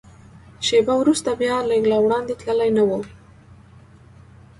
شېبه وروسته بیا، لږ لا وړاندې تللي نه و.